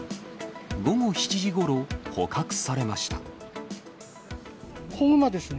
午後７時ごろ、捕獲されました。